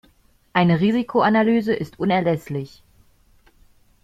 Eine Risikoanalyse ist unerlässlich.